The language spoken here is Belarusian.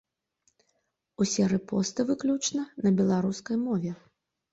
Усе рэпосты выключна на беларускай мове.